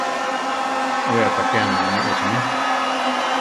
We aʼtakéame muní echi mí.